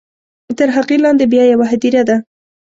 تر هغې لاندې بیا یوه هدیره ده.